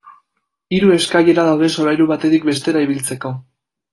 Hiru eskailera daude solairu batetik bestera ibiltzeko.